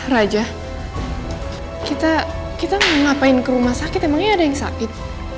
raja kita mau ngapain ke rumah sakit emangnya ada yang sakit